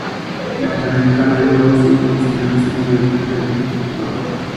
El norteamericano Eddie Lawson consiguió su segunda victoria de la temporada.